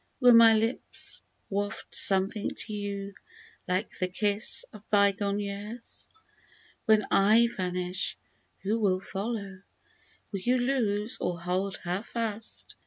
Will my lips waft something to you like the kiss of bygone years ? When / vanish, who will follow ? Will you loose or hold her fast